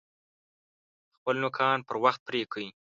خپل نوکان پر وخت پرې کئ!